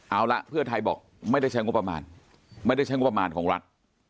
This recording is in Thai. เอาละเพื่อไทยบอกไม่ได้ใช้งบประมาณไม่ได้ใช้งบประมาณของรัฐ